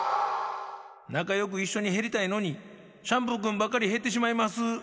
「なかよくいっしょにへりたいのにシャンプーくんばっかりへってしまいます」やて。